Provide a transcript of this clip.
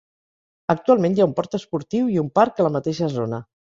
Actualment, hi ha un port esportiu i un parc a la mateixa zona.